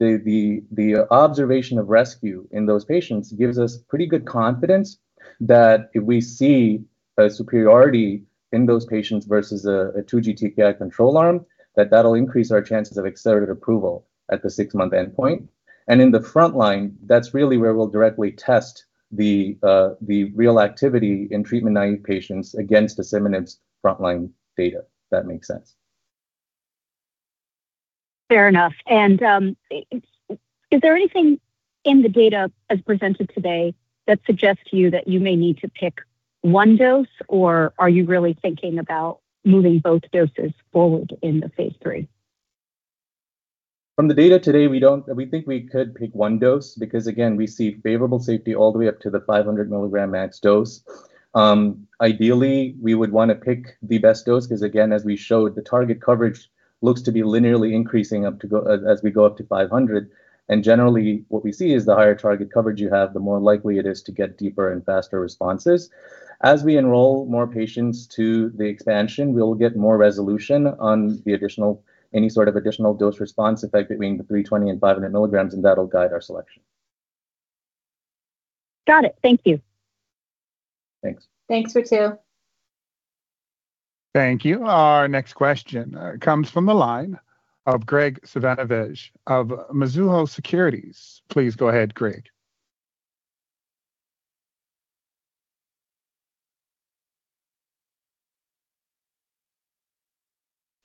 the observation of rescue in those patients gives us pretty good confidence that if we see a superiority in those patients versus a 2G TKI control arm, that that'll increase our chances of accelerated approval at the six-month endpoint. And in the frontline, that's really where we'll directly test the real activity in treatment-naive patients against ezetimibe's frontline data, if that makes sense. Fair enough. And is there anything in the data as presented today that suggests to you that you may need to pick one dose, or are you really thinking about moving both doses forward in the phase III? From the data today, we think we could pick one dose because, again, we see favorable safety all the way up to the 500 mg max dose. Ideally, we would want to pick the best dose because, again, as we showed, the target coverage looks to be linearly increasing as we go up to 500 mg. And generally, what we see is the higher target coverage you have, the more likely it is to get deeper and faster responses. As we enroll more patients to the expansion, we'll get more resolution on any sort of additional dose response effect between the 320 mg and 500 mg, and that'll guide our selection. Got it. Thank you. Thanks. Thanks, Ritu. Thank you. Our next question comes from the line of Graig Suvannavejh of Mizuho Securities. Please go ahead, Graig.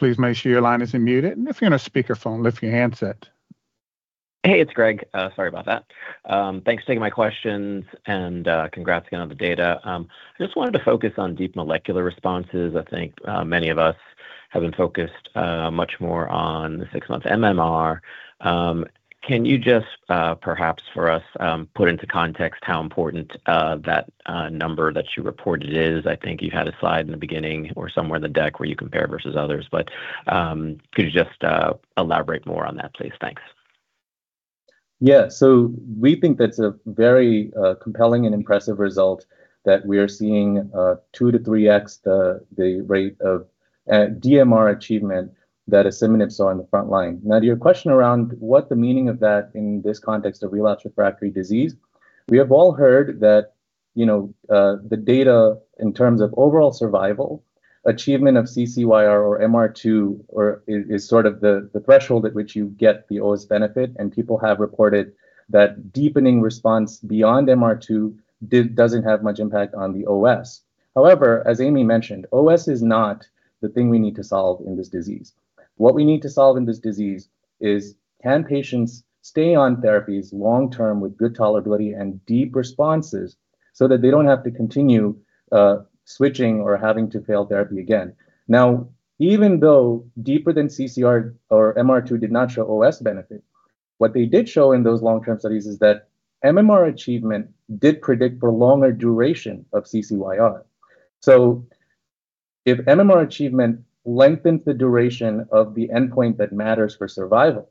Please make sure your line is muted. If you're on a speakerphone, lift your handset. Hey, it's Graig. Sorry about that. Thanks for taking my questions and congrats again on the data. I just wanted to focus on deep molecular responses. I think many of us have been focused much more on the six-month MMR. Can you just, perhaps for us, put into context how important that number that you reported is? I think you had a slide in the beginning or somewhere in the deck where you compare versus others. But could you just elaborate more on that, please? Thanks. Yeah, so we think that's a very compelling and impressive result that we are seeing 2x-3x the rate of DMR achievement that asciminib saw in the frontline. Now, to your question around what the meaning of that in this context of relapse refractory disease, we have all heard that the data in terms of overall survival, achievement of CCyR or MR2 is sort of the threshold at which you get the OS benefit. And people have reported that deepening response beyond MR2 doesn't have much impact on the OS. However, as Amy mentioned, OS is not the thing we need to solve in this disease. What we need to solve in this disease is, can patients stay on therapies long-term with good tolerability and deep responses so that they don't have to continue switching or having to fail therapy again? Now, even though deeper than CCyR or MR2 did not show OS benefit, what they did show in those long-term studies is that MMR achievement did predict prolonged duration of CCyR. So if MMR achievement lengthens the duration of the endpoint that matters for survival,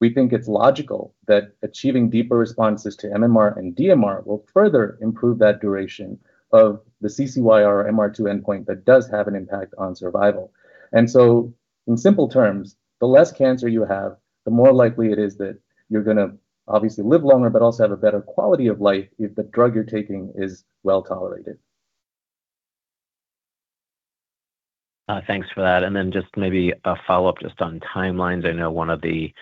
we think it's logical that achieving deeper responses to MMR and DMR will further improve that duration of the CCYR or MR2 endpoint that does have an impact on survival. And so in simple terms, the less cancer you have, the more likely it is that you're going to obviously live longer, but also have a better quality of life if the drug you're taking is well tolerated. Thanks for that. And then just maybe a follow-up just on timelines. I know one of the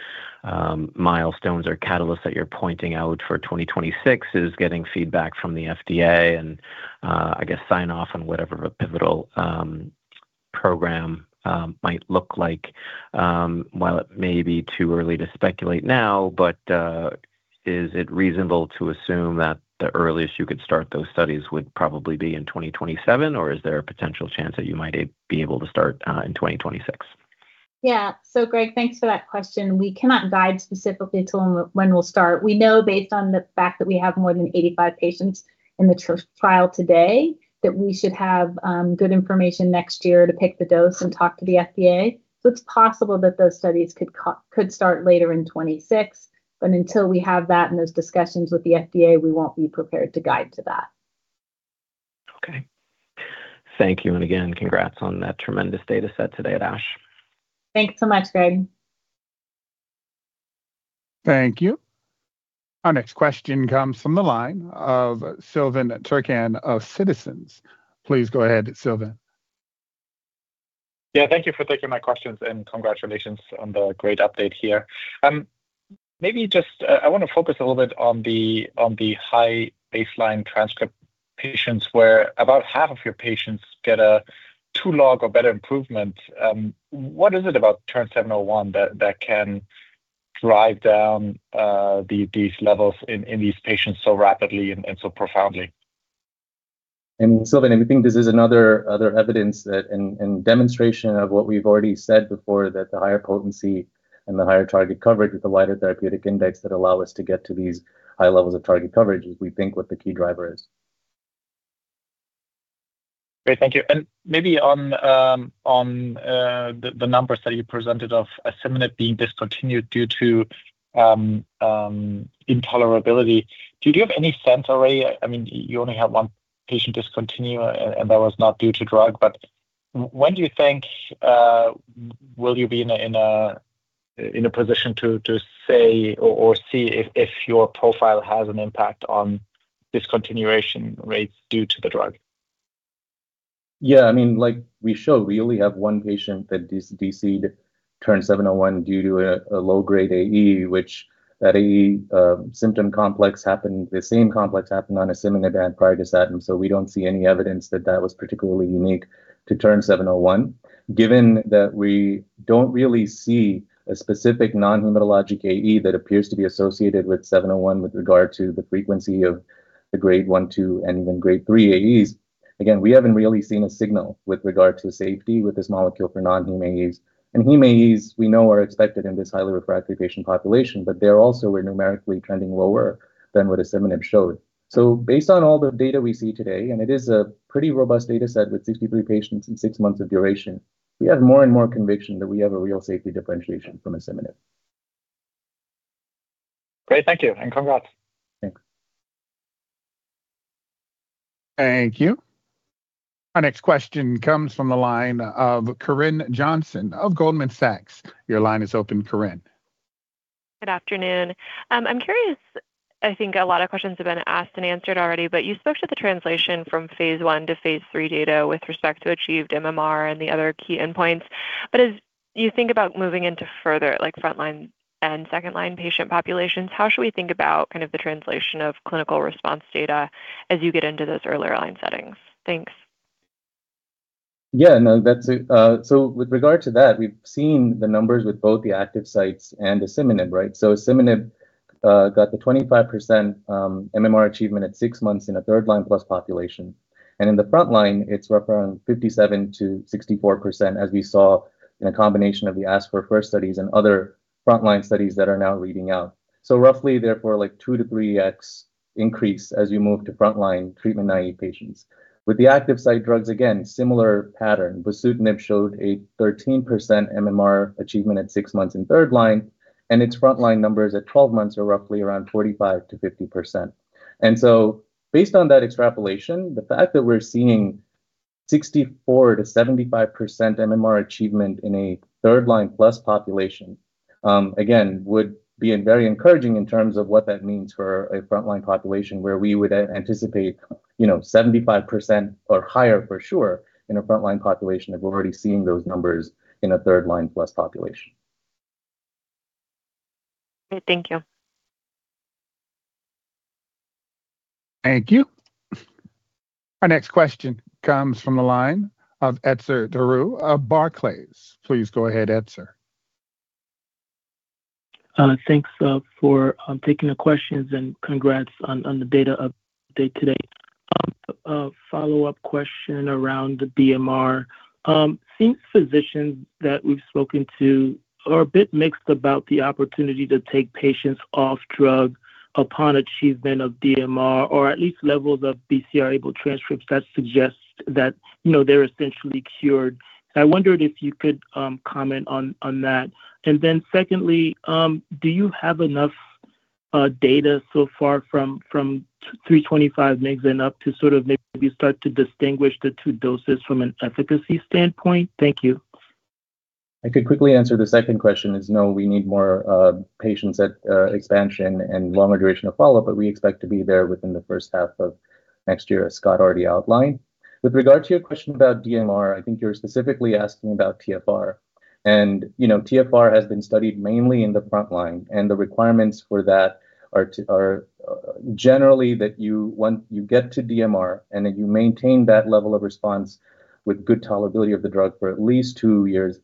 milestones or catalysts that you're pointing out for 2026 is getting feedback from the FDA and, I guess, sign off on whatever a pivotal program might look like. While it may be too early to speculate now, but is it reasonable to assume that the earliest you could start those studies would probably be in 2027, or is there a potential chance that you might be able to start in 2026? Yeah, so Graig, thanks for that question. We cannot guide specifically to when we'll start. We know based on the fact that we have more than 85 patients in the trial today that we should have good information next year to pick the dose and talk to the FDA. So it's possible that those studies could start later in 2026, but until we have that and those discussions with the FDA, we won't be prepared to guide to that. Okay. Thank you. And again, congrats on that tremendous dataset today at ASH. Thanks so much, Greg. Thank you. Our next question comes from the line of Silvan Türkcan of Citizens. Please go ahead, Silvan. Yeah, thank you for taking my questions and congratulations on the great update here. Maybe just I want to focus a little bit on the high baseline transcript patients where about half of your patients get a two log or better improvement. What is it about TERN-701 that can drive down these levels in these patients so rapidly and so profoundly? And Silvan, we think this is another evidence and demonstration of what we've already said before, that the higher potency and the higher target coverage with the wider therapeutic index that allow us to get to these high levels of target coverage is, we think, what the key driver is. Great, thank you. And maybe on the numbers that you presented of asciminib being discontinued due to intolerability, do you have any sense already? I mean, you only had one patient discontinue and that was not due to drug, but when do you think will you be in a position to say or see if your profile has an impact on discontinuation rates due to the drug? Yeah, I mean, like we show, we only have one patient that discontinued TERN-701 due to a low-grade AE, which AE symptom complex happened, the same complex happened on asciminib prior to that. And so we don't see any evidence that that was particularly unique to TERN-701. Given that we don't really see a specific non-hematologic AE that appears to be associated with 701 with regard to the frequency of the grade one, two, and even grade three AEs, again, we haven't really seen a signal with regard to safety with this molecule for non-HEMAEs. And HEMAEs, we know, are expected in this highly refractory patient population, but they're also numerically trending lower than what asciminib showed. So based on all the data we see today, and it is a pretty robust dataset with 63 patients and six months of duration, we have more and more conviction that we have a real safety differentiation from asciminib. Great, thank you. And congrats. Thanks. Thank you. Our next question comes from the line of Corinne Jenkins of Goldman Sachs. Your line is open, Corinne. Good afternoon. I'm curious. I think a lot of questions have been asked and answered already, but you spoke to the translation from phase I to phase III data with respect to achieved MMR and the other key endpoints. But as you think about moving into further, like frontline and second-line patient populations, how should we think about kind of the translation of clinical response data as you get into those earlier line settings? Thanks. Yeah, no, that's it. So with regard to that, we've seen the numbers with both the active sites and asciminib, right? So asciminib got the 25% MMR achievement at six months in a third-line plus population. And in the frontline, it's roughly around 57%-64%, as we saw in a combination of the ASC4FIRST studies and other frontline studies that are now reading out. So roughly, therefore, like 2x-3x increase as you move to frontline treatment-naive patients. With the active site drugs, again, similar pattern. Bosutinib showed a 13% MMR achievement at six months in third-line, and its frontline numbers at 12 months are roughly around 45%-50%. And so based on that extrapolation, the fact that we're seeing 64%-75% MMR achievement in a third-line plus population, again, would be very encouraging in terms of what that means for a frontline population where we would anticipate 75% or higher for sure in a frontline population if we're already seeing those numbers in a third-line plus population. Great, thank you. Thank you. Our next question comes from the line of Etzer Darout of Barclays. Please go ahead, Etzer. Thanks for taking the questions and congrats on the data update today. A follow-up question around the DMR. Seems physicians that we've spoken to are a bit mixed about the opportunity to take patients off drug upon achievement of DMR or at least levels of BCR-ABL transcripts that suggest that they're essentially cured. I wondered if you could comment on that. And then secondly, do you have enough data so far from 325 mg and up to sort of maybe start to distinguish the two doses from an efficacy standpoint? Thank you. I could quickly answer the second question is, no, we need more patients at expansion and longer duration of follow-up, but we expect to be there within the first half of next year, as Scott already outlined. With regard to your question about DMR, I think you're specifically asking about TFR. TFR has been studied mainly in the frontline, and the requirements for that are generally that you get to DMR and that you maintain that level of response with good tolerability of the drug for at least two years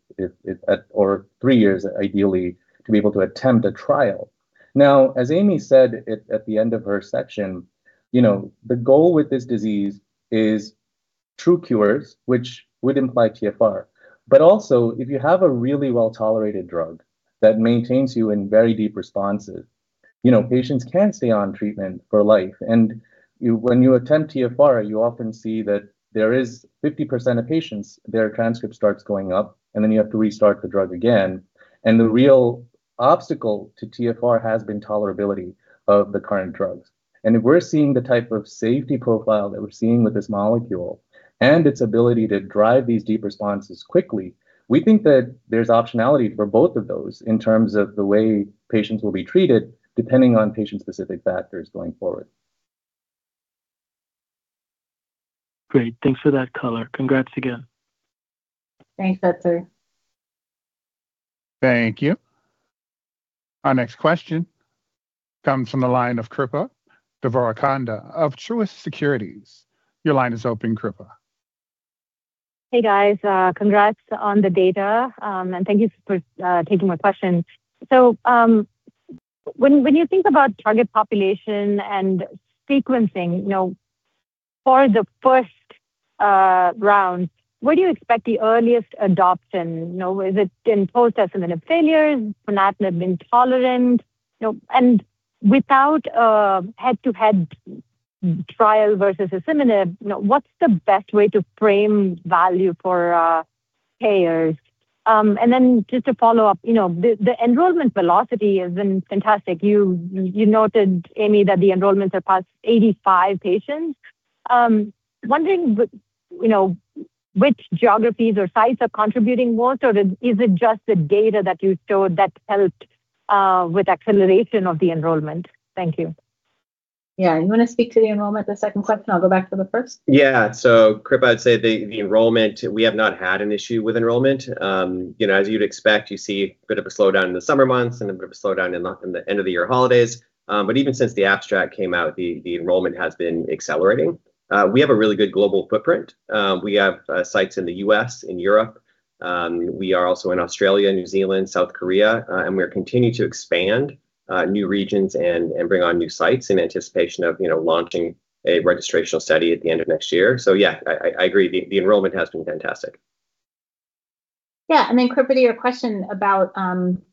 or three years, ideally, to be able to attempt a trial. Now, as Amy said at the end of her section, the goal with this disease is true cures, which would imply TFR. Also, if you have a really well-tolerated drug that maintains you in very deep responses, patients can stay on treatment for life. When you attempt TFR, you often see that there is 50% of patients, their transcript starts going up, and then you have to restart the drug again. The real obstacle to TFR has been tolerability of the current drugs. And if we're seeing the type of safety profile that we're seeing with this molecule and its ability to drive these deep responses quickly, we think that there's optionality for both of those in terms of the way patients will be treated depending on patient-specific factors going forward. Great. Thanks for that, color. Congrats again. Thanks, Etzer. Thank you. Our next question comes from the line of Kripa Devarakonda of Truist Securities. Your line is open, Kripa. Hey, guys. Congrats on the data, and thank you for taking my question. So when you think about target population and sequencing, for the first round, where do you expect the earliest adoption? Is it in post-asciminib failures, ponatinib intolerant? And without a head-to-head trial versus asciminib, what's the best way to frame value for payers? And then just to follow up, the enrollment velocity has been fantastic. You noted, Amy, that the enrollments are past 85 patients. Wondering which geographies or sites are contributing most, or is it just the data that you showed that helped with acceleration of the enrollment? Thank you. Yeah, you want to speak to the enrollment, the second question? I'll go back to the first. Yeah. So Kripa, I'd say the enrollment, we have not had an issue with enrollment. As you'd expect, you see a bit of a slowdown in the summer months and a bit of a slowdown in the end-of-the-year holidays. But even since the abstract came out, the enrollment has been accelerating. We have a really good global footprint. We have sites in the U.S., in Europe. We are also in Australia, New Zealand, South Korea, and we are continuing to expand new regions and bring on new sites in anticipation of launching a registration study at the end of next year. So yeah, I agree. The enrollment has been fantastic. Yeah. And then Kripa, to your question about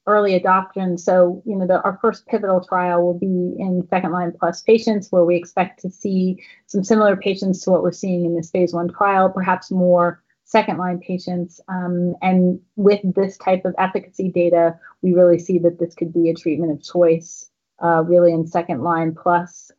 early adoption, so our first pivotal trial will be in second-line plus patients where we expect to see some similar patients to what we're seeing in this phase I trial, perhaps more second-line patients. And with this type of efficacy data, we really see that this could be a treatment of choice, really, in second-line plus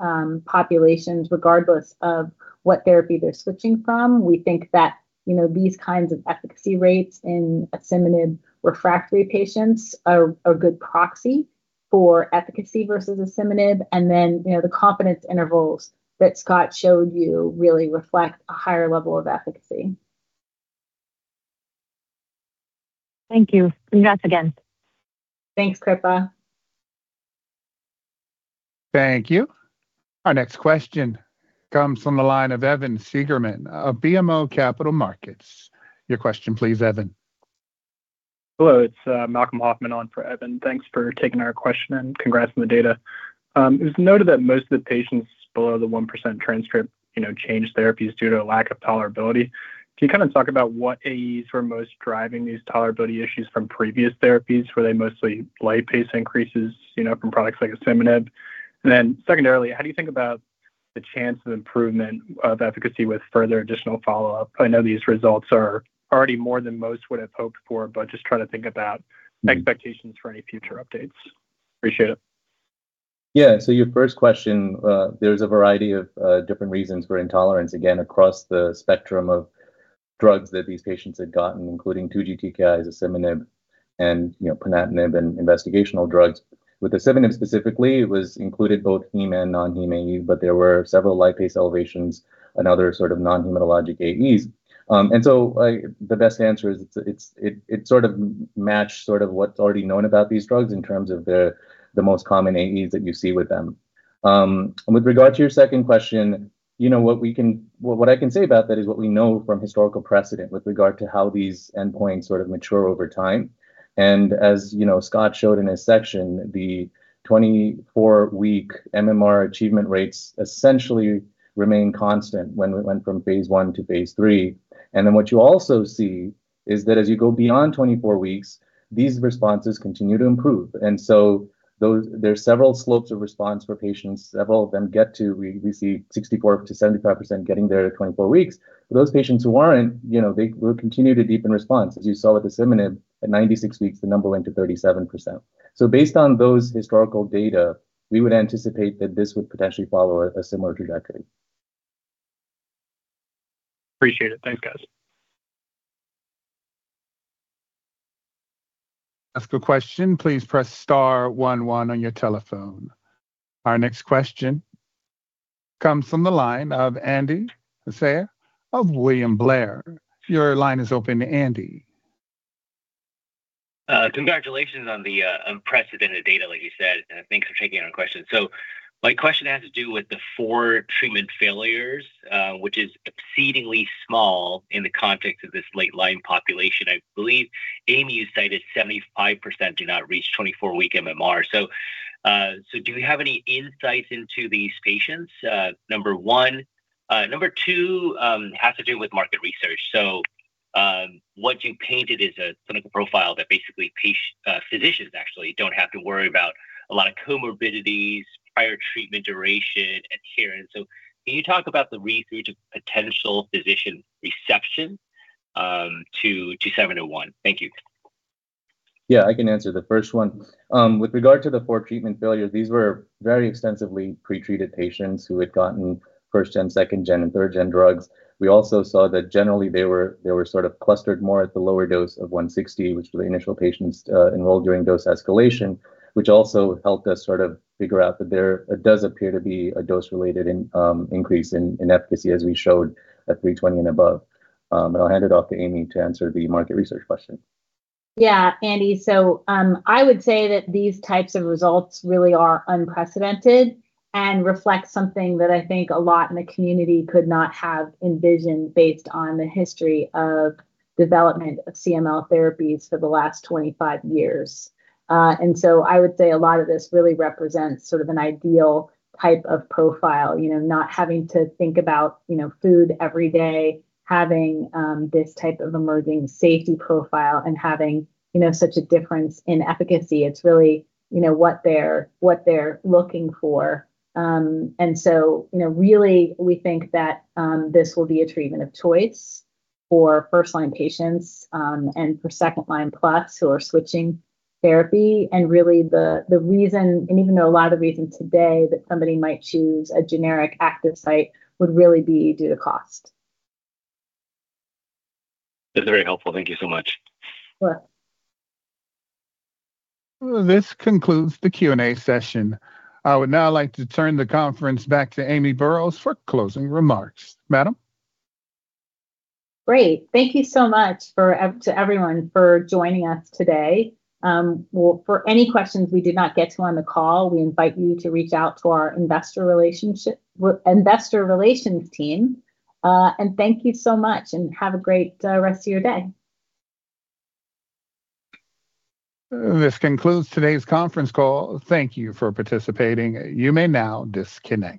populations, regardless of what therapy they're switching from. We think that these kinds of efficacy rates in ezetimibe refractory patients are a good proxy for efficacy versus ezetimibe. And then the confidence intervals that Scott showed you really reflect a higher level of efficacy. Thank you. Congrats again. Thanks, Kripa. Thank you. Our next question comes from the line of Evan Seigerman of BMO Capital Markets. Your question, please, Evan. Hello. It's Malcolm Hoffman on for Evan. Thanks for taking our question and congrats on the data. It was noted that most of the patients below the 1% transcript changed therapies due to a lack of tolerability. Can you kind of talk about what AEs were most driving these tolerability issues from previous therapies? Were they mostly lipase increases from products like asciminib? And then secondarily, how do you think about the chance of improvement of efficacy with further additional follow-up? I know these results are already more than most would have hoped for, but just try to think about expectations for any future updates. Appreciate it. Yeah. So your first question, there's a variety of different reasons for intolerance, again, across the spectrum of drugs that these patients had gotten, including 2G TKIs, asciminib, and ponatinib and investigational drugs. With asciminib specifically, it was included both hematologic and non-hematologic, but there were several lipase elevations and other sort of non-hematologic AEs. And so the best answer is it sort of matched sort of what's already known about these drugs in terms of the most common AEs that you see with them. And with regard to your second question, what I can say about that is what we know from historical precedent with regard to how these endpoints sort of mature over time. And as Scott showed in his section, the 24-week MMR achievement rates essentially remain constant when we went from phase I to phase III. And then what you also see is that as you go beyond 24 weeks, these responses continue to improve. So there's several slopes of response for patients. Several of them get to, we see 64%-75% getting there at 24 weeks. For those patients who aren't, they will continue to deepen response. As you saw with ezetimibe, at 96 weeks, the number went to 37%. Based on those historical data, we would anticipate that this would potentially follow a similar trajectory. Appreciate it. Thanks, guys. That's a good question. Please press star one one on your telephone. Our next question comes from the line of Andy Hsieh of William Blair. Your line is open to Andy. Congratulations on the unprecedented data, like you said. Thanks for taking our question. So, my question has to do with the four treatment failures, which is exceedingly small in the context of this late-line population. I believe, Amy, you cited 75% do not reach 24-week MMR. So, do you have any insights into these patients? Number one. Number two has to do with market research. So, what you painted is a clinical profile that basically physicians actually don't have to worry about a lot of comorbidities, prior treatment duration, adherence. So, can you talk about the research of potential physician reception to 701? Thank you. Yeah, I can answer the first one. With regard to the four treatment failures, these were very extensively pretreated patients who had gotten first-gen, second-gen, and third-gen drugs. We also saw that generally they were sort of clustered more at the lower dose of 160 mg, which were the initial patients enrolled during dose escalation, which also helped us sort of figure out that there does appear to be a dose-related increase in efficacy, as we showed at 320 mgand above, and I'll hand it off to Amy to answer the market research question. Yeah, Andy, so I would say that these types of results really are unprecedented and reflect something that I think a lot in the community could not have envisioned based on the history of development of CML therapies for the last 25 years, and so I would say a lot of this really represents sort of an ideal type of profile, not having to think about food every day, having this type of emerging safety profile, and having such a difference in efficacy. It's really what they're looking for. And so really, we think that this will be a treatment of choice for first-line patients and for second-line plus who are switching therapy. And really, the reason, and even though a lot of the reasons today that somebody might choose a generic active site would really be due to cost. That's very helpful. Thank you so much. This concludes the Q&A session. I would now like to turn the conference back to Amy Burroughs for closing remarks. Madam? Great. Thank you so much to everyone for joining us today. For any questions we did not get to on the call, we invite you to reach out to our investor relations team. And thank you so much, and have a great rest of your day. This concludes today's conference call. Thank you for participating. You may now disconnect.